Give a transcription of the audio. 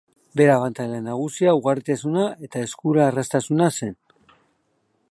Bere abantaila nagusia ugaritasuna eta eskura-erraztasuna zen.